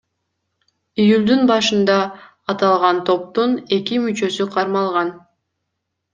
Июлдун башында аталган топтун эки мүчөсү кармалган.